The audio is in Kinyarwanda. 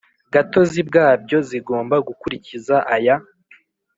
Gatozi bwabyo zigomba gukurikiza aya